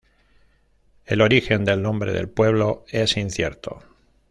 El origen del nombre del pueblo es incierto.